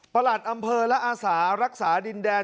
หลัดอำเภอและอาสารักษาดินแดน